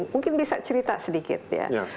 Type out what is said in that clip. mungkin bisa cerita sedikit ya